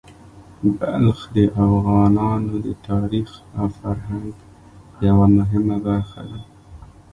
بلخ د افغانانو د تاریخ او فرهنګ یوه مهمه برخه ده.